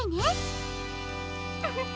ウフフ！